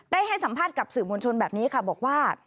ให้สัมภาษณ์กับสื่อมวลชนแบบนี้ค่ะบอกว่า